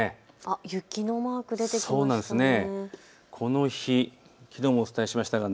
雪のマーク、出てきましたね。